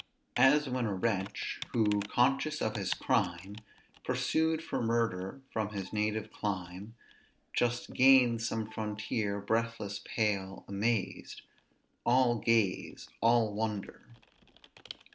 "As when a wretch, who, conscious of his crime, Pursued for murder from his native clime, Just gains some frontier, breathless, pale, amazed; All gaze, all wonder!"